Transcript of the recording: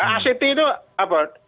act itu apa